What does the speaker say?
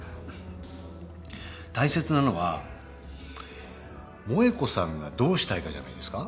大切なのは萠子さんがどうしたいかじゃないですか？